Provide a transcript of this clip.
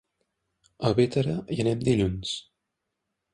A Bétera hi anem dilluns.